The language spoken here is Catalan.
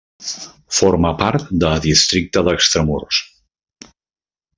Forma part de districte d'Extramurs.